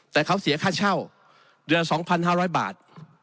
แต่เขาเสียค่าเช่าเดือน๒๕๐๐บาท